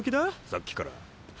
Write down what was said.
さっきから。